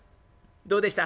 どうでした？